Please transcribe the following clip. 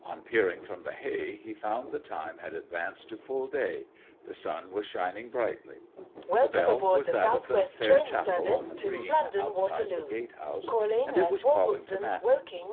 On peering from the hay he found the time had advanced to full day; the sun was shining brightly. The bell was that of the 'faire chappell' on the green outside the gatehouse, and it was calling to matins.